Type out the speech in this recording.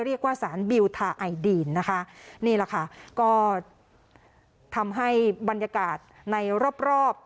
เรียกว่าสารบิลทาไอดีนนะคะนี่แหละค่ะก็ทำให้บรรยากาศในรอบรอบ